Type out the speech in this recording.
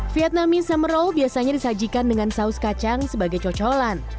vietnamese summer roll biasanya disajikan dengan saus kacang sebagai cocolan